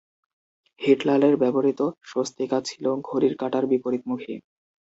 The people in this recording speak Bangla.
হিটলারের ব্যবহৃত স্বস্তিকা ছিল ঘড়ির কাঁটার বিপরীতমুখী।